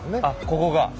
あっここが！